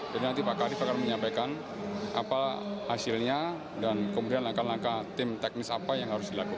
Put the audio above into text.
jadi nanti pakar ini akan menyampaikan apa hasilnya dan kemudian langkah langkah tim teknis apa yang harus dilakukan